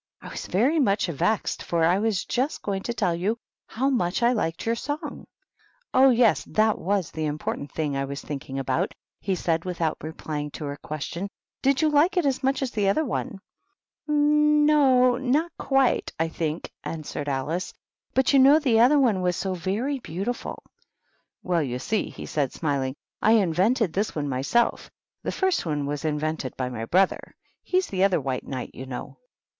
" I was very much vexed, for I was just going to tell you how much I liked your song." " Oh, yes, that was the important thing I was thinking about," he said, without replying to her question. " Did you like it as much as the other one ?" "N no, not quitey I think," answered Alice; " but you know the other one was so very beau tiful." 118 THE WHITE KNIGHT. " Well, you see," he said, smiling, " I invented this one myself; the first one was invented by my brother. He's the other White Knight, you know."